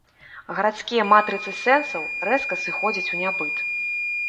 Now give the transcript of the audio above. Гарадскія матрыцы сэнсаў рэзка сыходзяць у нябыт.